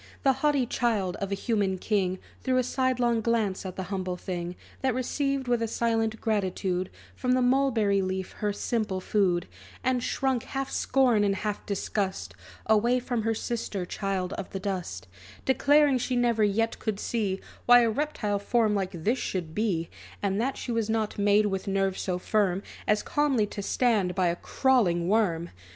The haughty child of a human king Threw a sidelong glance at the humble thing, That received with a silent gratitude From the mulberry leaf her simple food; And shrunk, half scorn, and half disgust, Away from her sister child of the dust; Declaring she never yet could see Why a reptile form like this should be; And that she was not made with nerves so firm, As calmly to stand by a crawling worm!